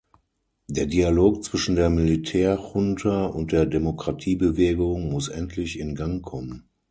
Der Dialog zwischen der Militärjunta und der Demokratiebewegung muss endlich in Gang kommen.